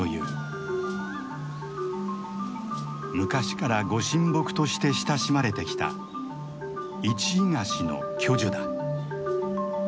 昔からご神木として親しまれてきたイチイガシの巨樹だ。